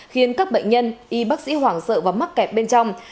khiến các bệnh nhân y bác sĩ hoảng sợ và mắc kẹt bên trong